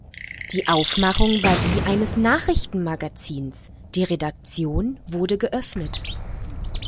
Die Aufmachung war die eines Nachrichtenmagazins, die Redaktion wurde geöffnet.